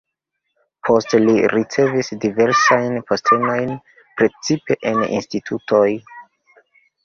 Poste li ricevis diversajn postenojn, precipe en institutoj.